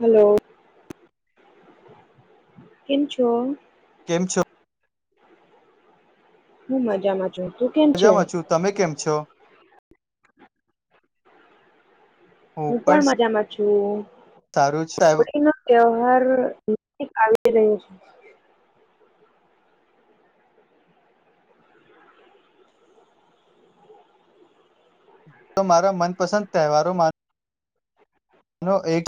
Hello કેમ છો. કેમ છો. હું મજામાં. છું તું કેમ છે મજામાંશુ તમે કેમ છો. હું પણ મજામાં. સારું છે [inaudible] હોળી નો ત્યેવાહર થી રહી છે જો મારા મનપસંદ તહેવારોમા નો એક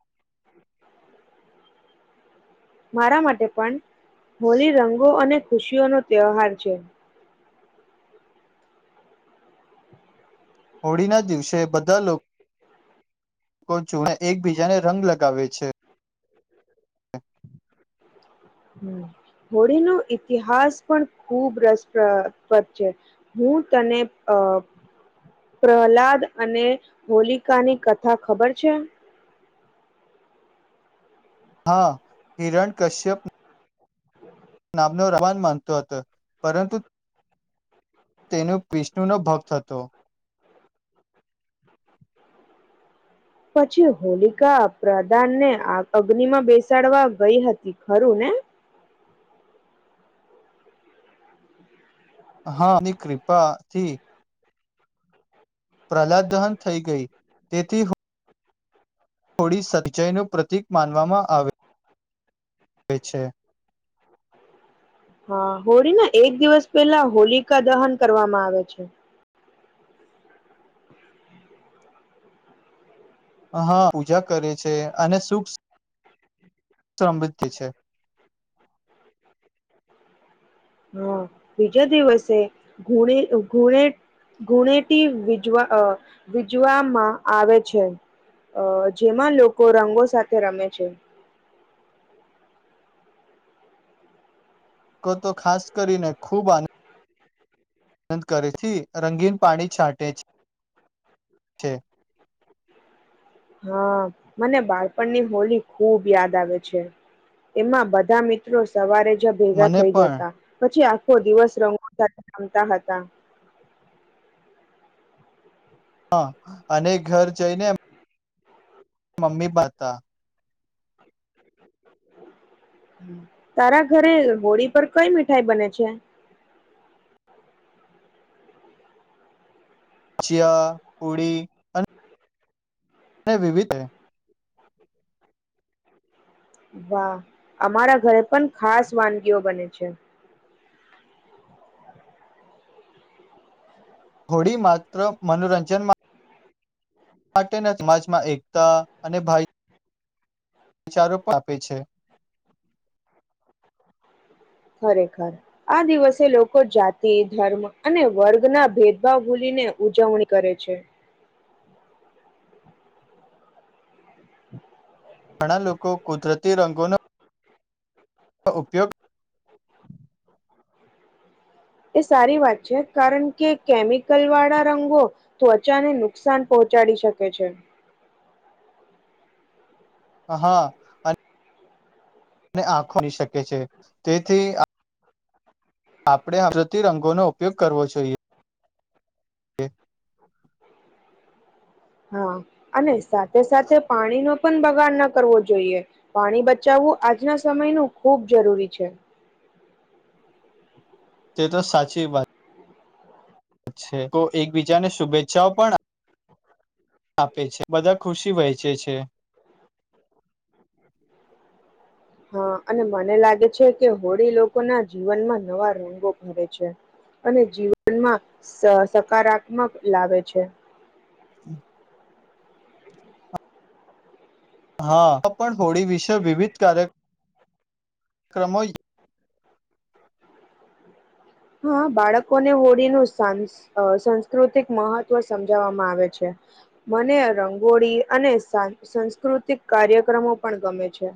મારા માટે પણ હોળી રંગો અને ખુશીઓ નો તહેવાાર છે. હોળીના દિવસે બધા લોકો જો એકબીજાને રંગ લગાવે છે [inaudible] હોળીનો ઈતિહાસ પણ ખુબ રસપ્રપદ છે હું તને પ્રહલાદ અને હોલિકાની કથા ખબર છે હા હિરણ કશ્યપ હલો રાવણ માનતો હતો પરંતુ તેનો વિષ્ણુનો ભક્ત હતો પછી હોલિકા પ્રધાનને અગ્નિ માં બેસાડવા ગઈ હતી ખરું ને હાની કૃપાથી પ્રહલાદ દહન થઈ ગઈ તેથી થોડી સચાઈનું પ્રતિક માનવામાં આવે પી છે હા હોળીના એક દિવસ પહેલા હોલિકા દહન કરવામાં આવે છે હા પૂજા કરે છે અને સુખ સમૃદ્ધ છે હા બીજા દિવસે ધુણે ઘૂણેટી વિજવા વિજવામાં આવે છે જેમાં લોકો રંગો સાથે રમે છે તો ખાસ કરીને ખૂબ આનંદ આનંદ કરેથી રંગીન પાણી છાંટે છે છે હા મને બાળપણની હોલી ખૂબ યાદ આવે છે એમાં બધા મિત્રો સવારે ભેગા મને થઈ પણ જતા પછી આખો દિવસ રંગો સાથે રમતા હતા હા અને ઘર જઈને એમ મમ્મી બતા તારા ઘરે હોળી પર કઈ મીઠાઈ બને છે ચિયા પુડી અને અને વિવિધ વાહ અમારા ઘરે પણ ખાસ વાનગીઓ બને છે થોડી માત્ર મનોરંજનમાં માટેના સમાજમાં એકતા અને ભાઈ વિચારોપ આપે છે ખરેખર આ દિવસે લોકો જાતિ ધર્મ અને વર્ગના ભેદભાવ ભૂલીને ઉજવણી કરે છે [inaudible] ઘણા લોકો કુદરતી રંગોનો ઉપયોગ એ સારી વાત છે કારણ કે કેમિકલ વાળા રંગો ત્વચાને નુકસાન પહોંચાડી શકે છે હા અને આખોની શકે છે તેથી આપણે આદરતી રંગોનો ઉપયોગ કરવો જોઈએ [inaudible] હા અને સાથે સાથે પાણીનો પણ બગાડ ન કરવો જોઈએ પાણી બચાવવું આજના સમયનું ખૂબ જરૂરી છે તે તો સાચી વાત અચ્છા તો એકબીજાને શુભેચ્છાઓ પણ આપે છે બધા ખુશી વહેંચે છે હા અને મને લાગે છે કે હોળી લોકોના જીવનમાં નવા રંગો ભરે છે અને જીવનમાં સકારાત્મક લાવે છે [inaudible] હા પણ હોળી વિશે વિવિધ કાર્ય કાર્યક્રમો હા બાળકોને હોળીનું સા સાંસ્કૃતિક મહત્વ સમજાવવામાં આવે છે મને રંગોળી અને સાસ્કૃતિક કાર્યક્રમો પણ ગમે છે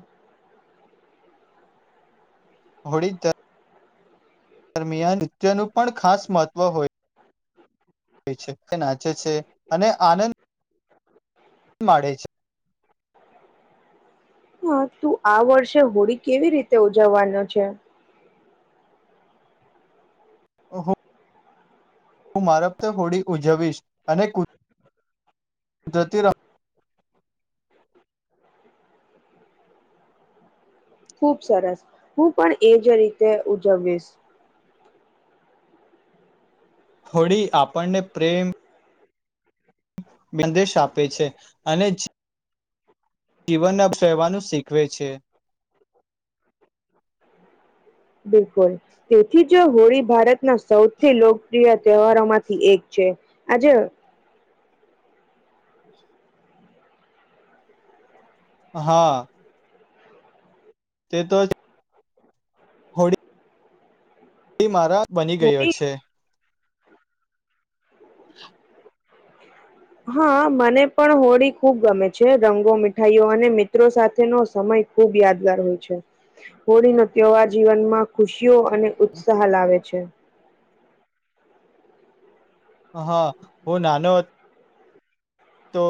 હોળી દરમિયાન નૃત્યનું પણ ખાસ મહત્વ હોય છે નાચે છે અને આનંદ એ મળે છે હા તું આ વર્ષે હોળી કેવી રીતે ઉજવવાનો છે હું મારફતે હોડી ઉજવીશ અને કુ કુદરતી રા ખુબ સરસ હું પણ એજ રીતે ઉજવીવીશ હોળી આપણને પ્રેમ સંદેશ આપે છે અને જીવનના રહેવાનું શીખવે છે. બિલકુલ તેથી જ હોળી ભારતના સૌથી લોકપ્રિય તહેવારો માંથી એક છે આજે હા. તે તો જ એ મારાજ બની ગયો હોળી છે. તો હા મને પણ હોળી ખૂબ ગમે છે રંગો મીઠાઈઓ અને મિત્રો સાથેનો સમય ખૂબ યાદગાર હોય છે હોળીનો તહેવાર જીવનમાં ખુશીઓ અને ઉત્સાહ લાવે છે. હા હું નાનો હ તો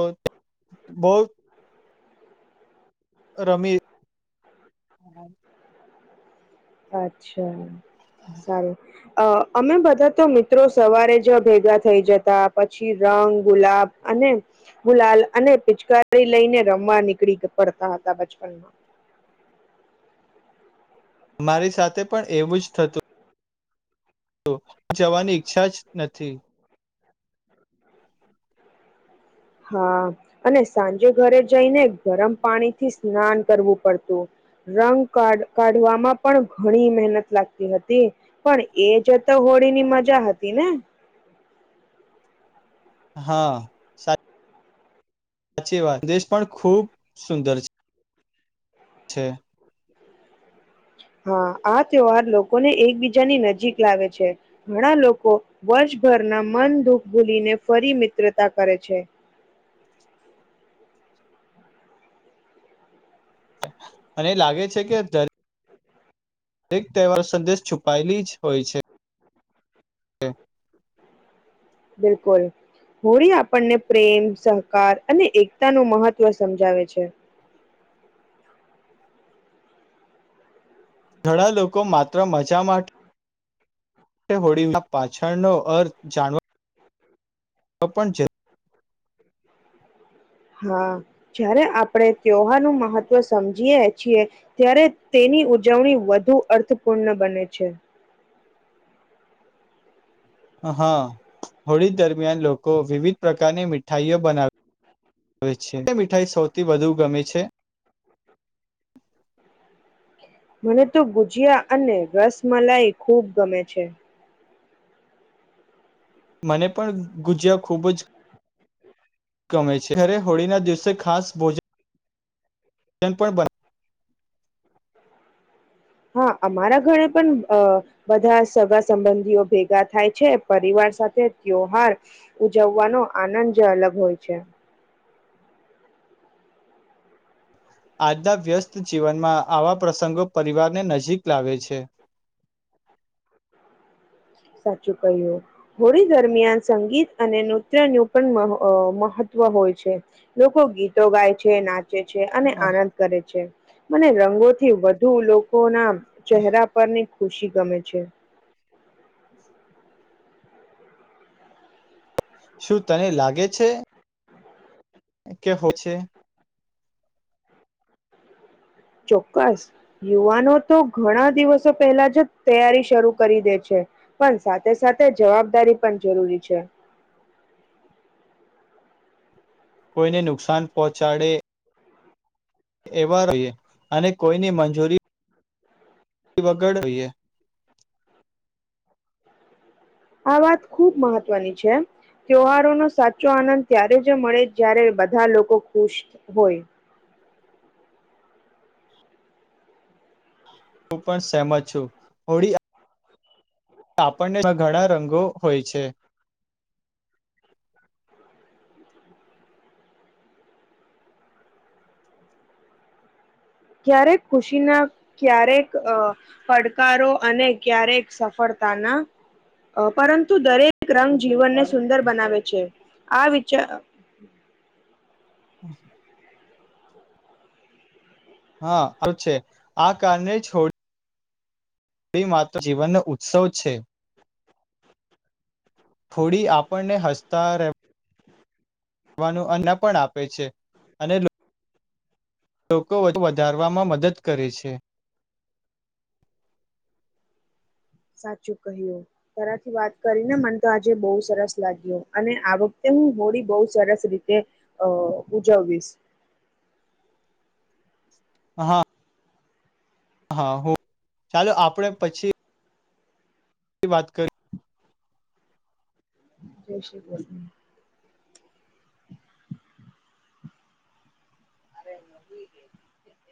બહુ રમી અચ્છા સારું અ અમે બધા તો મિત્રો સવારે જ ભેગા થઈ જતા પછી રંગ ગુલાબ અને ગુલાલ અને પિચકારી લઈને રમવા નીકળી પડતા હતા બચપનમાં અરી સાથે પણ એવું જ થતું. તો જવાની છા જ નથી. હા અને સાંજે ઘરે જઈને ગરમ પાણી થી સ્નાન કરવું પડતું રંગા કાઢવામાં પણ ઘણી મહેનત લાગતી હતી પણ એ જતા હોળીની મજા હતી ને હા સાચ સાચી વાત દેશ પણ ખુબ સુંદર છે, છે. હા આ તહેવાર લોકોને એકબીજાની નજીક લાવે છે ઘણા લોકો વર્ષભરના મન દુઃખ ભૂલીને ફરી મિત્રતા કરે છે. મને એ લાગે છે કે એક તહેવાર સંદેશ છુપાયેલી જ હોય છે. બિલકુલ હોળી આપણને પ્રેમ સહકાર અને એકતાનું મહત્વ સમજાવે છે. ઘણા લોકો માત્ર મજા માટે [inaudible] હોળીના પાછળનો અર્થ જાણવા તો પણ છે. હા જ્યારે આપણે ત્યહારનુંું મહત્વ સમજીએ છીએ ત્યારે તેની ઉજવણી વધુ અર્થપૂર્ણ બને છે. હા હોળી દરમિયાન લોકો વિવિધ પ્રકારની મીઠાઈઓ બનાવે છે, મીઠાઈ સૌથી વધુ ગમે છે. મને તો ગુજિયા અને રસમલાઈ ખૂબ ગમે છે. મને પણ ગુજિયા ખુબ જ ગમે છે ખરે હોળી ના દિવસે ખાસ ભોજન ન પણ બને હા અમારા ઘરે પણ બધા સગા સંબંધીઓ ભેગા થાય છે પરિવાર સાથે ત્યોહાર ઉજવવાનો આનંદ અલગ હોય છે. આજના વ્યસ્ત જીવનમાં આવા પ્રસંગો પરિવારને નજીક લાવે છે. સાચું કહ્યું હોળી દરમિયાન સંગીત અને નૃત્ય નું પણ મ મહત્વ હોય છે લોકો ગીતો ગાય છે ના છે અને આનંદ કરે છે. મને રંગોથી વધુ લોકો ના ચહેરા પરની ખુશી ગમે છે. [inaudible] [unintelligible] શું તને લાગે છે. કે હ છે. ચોક્કસ યુવાનો તો ઘણા દિવસો પહેલા જ તૈયારી શરૂ કરી દે છે પણ સાથે સાથે જવાબદારી પણ જરૂરી છે. કોઈને નુકસાન પહોંચાડે. એવા જોઈએ અને કોઈની મંજૂરી. વગડ હોઈએ. આ વાત ખૂબ મહત્વની છે ત્યવારોનો સાચો આનંદ ત્યારે જ મળે જ્યારે બધા લોકો ખુશ હોય. હું પણ સહેમત છું હોળી આપણને ઘણા રંગો હોય છે. ક્યારેક ખુશીના ક્યારેક પડકારો અને ક્યારેક સફળતાના પરંતુ દરેક રંગ જીવનને સુંદર બનાવે છે આ વિચાર. [inaudible] હાું છે આ કારણે છોડી. એ માત્ર જીવનનો ઉત્સવ છે. થોડી આપણને હસતા રહે. કરવાનું અન્ના પણ આપે છે અને. લોકો વધારવામાં મદદ કરે છે. સાચું કહ્યું તરાથી વાત કરીને મને તો આજે બહુ સરસ લાગ્યો અને આ વખતે હું હોળી બહુ સરસ રીતે અ ઉજવવીશ. હ હા. હા ચાલો આપણે પછી વાત કરી [inaudible] [inaudible]